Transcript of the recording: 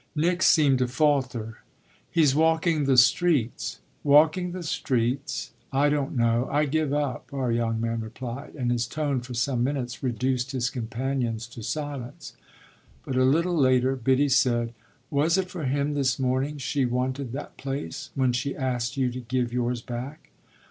Nick seemed to falter. "He's walking the streets." "Walking the streets?" "I don't know I give it up!" our young man replied; and his tone, for some minutes, reduced his companions to silence. But a little later Biddy said: "Was it for him this morning she wanted that place when she asked you to give yours back?"